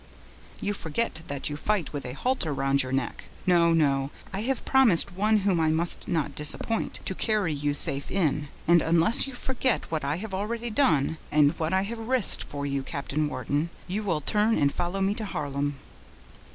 "You forget that you fight with a halter round your neck; no, no—I have promised one whom I must not disappoint, to carry you safe in; and unless you forget what I have already done, and what I have risked for you, Captain Wharton, you will turn and follow me to Harlem."